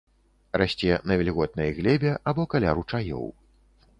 Расце на вільготнай глебе або каля ручаёў.